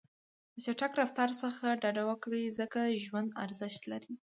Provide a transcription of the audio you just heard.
د چټک رفتار څخه ډډه وکړئ، ځکه ژوند ارزښت لري.